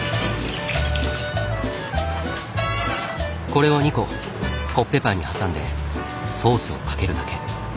これを２個コッペパンにはさんでソースをかけるだけ。